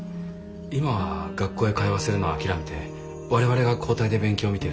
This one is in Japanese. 今は学校へ通わせるのは諦めて我々が交代で勉強を見てる感じで。